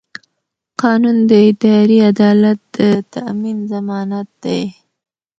قانون د اداري عدالت د تامین ضمانت دی.